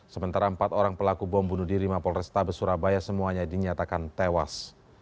sementara empat orang pelaku bom bunuh diri mapol restabes surabaya semuanya dinyatakan tewas